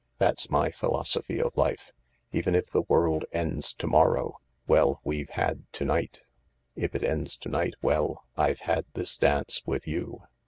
"That's my philosophy of life. Even if the world ends to morrow — well, we've had to night ! If it ends to night — well — I've had this dance with you.